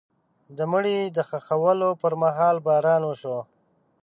د مړي د ښخولو پر مهال باران وشو.